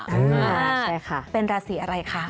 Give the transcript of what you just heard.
ใช่ค่ะเป็นราศีอะไรคะ